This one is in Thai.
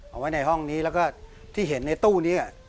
เอาไว้ในห้องนี้แล้วก็ที่เห็นในตู้นี้